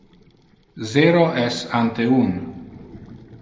Zero es ante un.